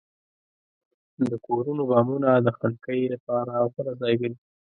د کورونو بامونه د خنکۍ لپاره غوره ځای ګرځي.